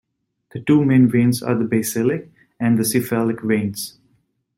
The two main veins are the basilic and the cephalic veins.